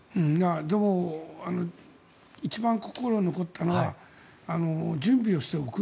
でも、一番心に残ったのは準備をしておく。